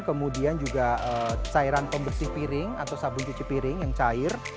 kemudian juga cairan pembersih piring atau sabun cuci piring yang cair